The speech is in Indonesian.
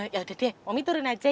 yaudah deh mami turun aja ya